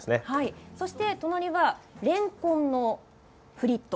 そして隣は、れんこんのフリット。